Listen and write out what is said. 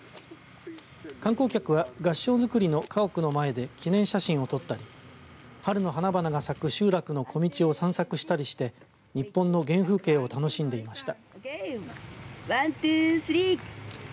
観光客は合掌造りの家屋の前で記念写真を撮ったり春の花々が咲く集落の小道を散策したりして日本の原風景を楽しんでいました。